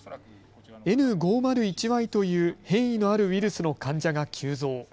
Ｎ５０１Ｙという変異のあるウイルスの感染が急増。